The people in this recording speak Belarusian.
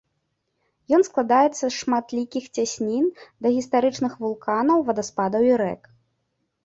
Ён складаецца з шматлікіх цяснін, дагістарычных вулканаў, вадаспадаў і рэк.